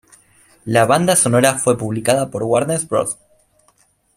La banda sonora fue publicada por Warner Bros.